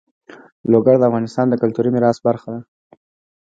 لوگر د افغانستان د کلتوري میراث برخه ده.